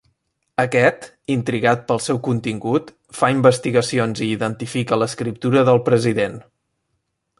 Aquest, intrigat pel seu contingut, fa investigacions i identifica l'escriptura del president.